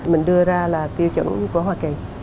mình đưa ra là tiêu chuẩn của hoa kỳ